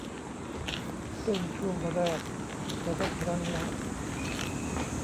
ซึ่งช่วงแรกจะได้ครั้งละ